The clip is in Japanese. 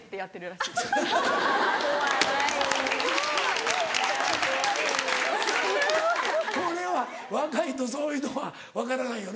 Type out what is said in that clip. ・怖い・・すごい・・怖い・これは若いとそういうのは分からないよな。